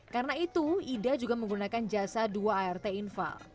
karena itu ida juga menggunakan jasa dua art inval